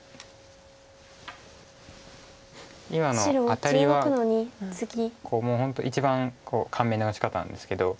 今のアタリはもう本当一番簡明な打ち方なんですけど。